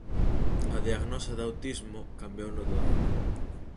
A diagnose de autismo cambiouno todo.